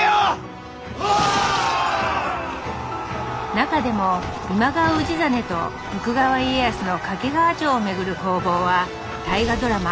中でも今川氏真と徳川家康の掛川城を巡る攻防は大河ドラマ